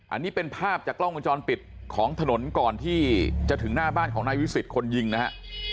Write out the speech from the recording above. อันนี้เป็นภาพจากกล้องวงจรปิดของถนนก่อนที่จะถึงหน้าบ้านของนายวิสิทธิ์คนยิงนะฮะ